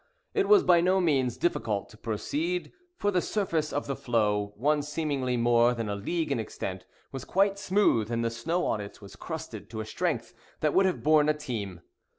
It was by no means difficult to proceed; for the surface of the floe, one seemingly more than a league in extent, was quite smooth, and the snow on it was crusted to a strength that would have borne a team.